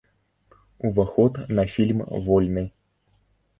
Уваход на фільм вольны.